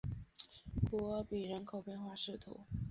古尔比人口变化图示